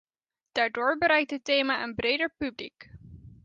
Daardoor bereikt dit thema een breder publiek.